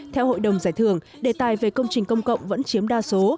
theo hội đồng giải thưởng đề tài về công trình công cộng vẫn chiếm đa số